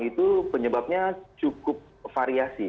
itu penyebabnya cukup variasi